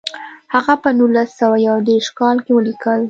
هغه په نولس سوه یو دېرش کال کې ولیکل.